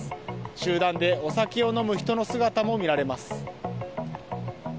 集団でお酒を飲む人の姿も見られます。